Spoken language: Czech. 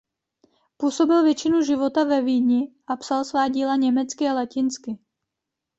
Působil většinu života ve Vídni a psal svá díla německy a latinsky.